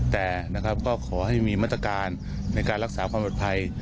แต่นะครับก็ขอให้มีมาตรการในการรักษาความปลอดภัย